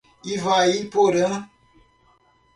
Ivaiporã